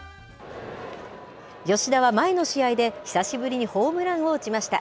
吉田は前の試合で、久しぶりにホームランを打ちました。